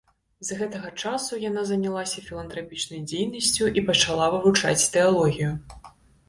З гэтага часу яна занялася філантрапічнай дзейнасцю і пачала вывучаць тэалогію.